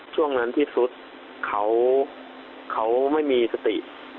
ช่วงนั้นที่สุดเขาไม่มีสติ